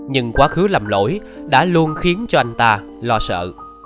nhưng quá khứ lầm lỗi đã luôn khiến cho anh ta lo sợ